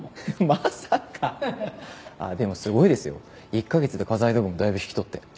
１カ月で家財道具もだいぶ引き取って。